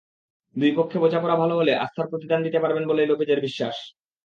দুই পক্ষে বোঝাপড়া ভালো হলে আস্থার প্রতিদান দিতে পারবেন বলেই লোপেজের বিশ্বাস।